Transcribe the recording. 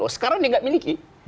sekarang dia gak miliki